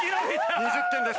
２０点です。